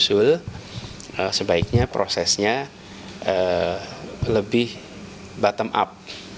usul sebaiknya prosesnya lebih bottom up